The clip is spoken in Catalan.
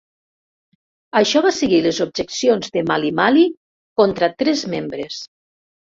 Això va seguir les objeccions de Malimali contra tres membres.